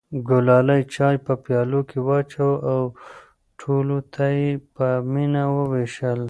ګلالۍ چای په پیالو کې واچوه او ټولو ته یې په مینه وویشل.